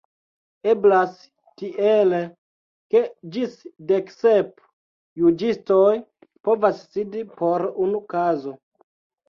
Eblas tiele ke ĝis deksep juĝistoj povas sidi por unu kazo.